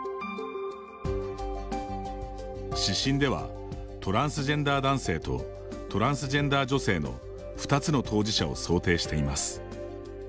指針ではトランスジェンダー男性とトランスジェンダー女性の２つの当事者を想定しています。